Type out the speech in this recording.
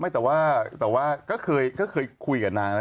แต่ว่าก็เคยคุยกับนางนะ